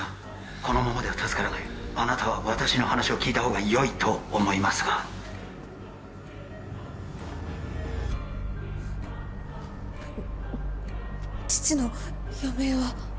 このままでは助からないあなたは私の話を聞いた方がよいと思いますが父の余命は？